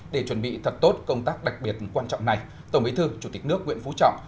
để chuẩn bị thật tốt công tác đặc biệt quan trọng này tổng bí thư chủ tịch nước nguyễn phú trọng